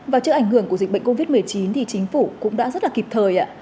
và trước ảnh hưởng của dịch bệnh covid một mươi chín thì chính phủ cũng đã rất là kịp thời